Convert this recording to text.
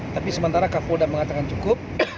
tapi sementara kapolda mengatakan cukup